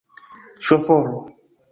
Ŝoforo!